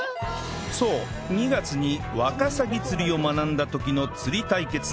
そう２月にワカサギ釣りを学んだ時の釣り対決で